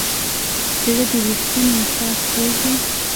زړه د ریښتیني احساس کور دی.